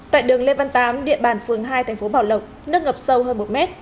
tại đường lê văn tám địa bàn phường hai thành phố bảo lộc nước ngập sâu hơn một mét